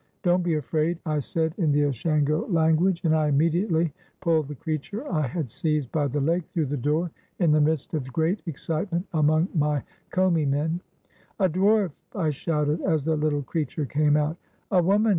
"Don't be afraid," I said, in the Ashango language, 410 THE VILLAGE OF DWARFS and I immediately pulled the creature I had seized by the leg through the door, in the midst of great excite ment among my Commi men. "A dwarf!" I shouted, as the little creature came out. "A woman!"